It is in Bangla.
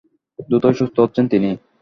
দ্রুতই সুস্থ হচ্ছেন তিনি।